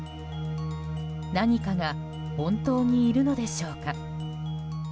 何かが本当にいるのでしょうか。